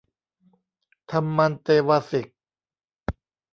ธรรมันเตวาสิก